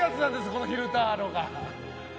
このヒルターロが。